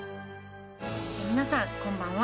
皆さん、こんばんは。